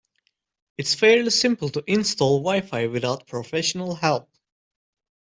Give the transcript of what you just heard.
It's fairly simple to install wi-fi without professional help.